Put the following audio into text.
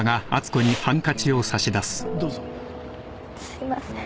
すいません。